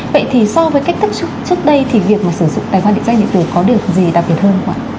vậy thì so với cách thức trước đây thì việc mà sử dụng tài khoản định danh điện tử có được gì đặc biệt hơn không ạ